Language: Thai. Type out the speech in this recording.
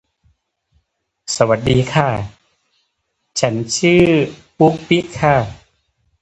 ข้อจำกัดน้อยสุด